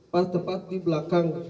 pas tepat di belakang